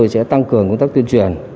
sẽ tăng cường công tác tuyên truyền